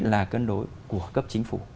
là cân đối của cấp chính phủ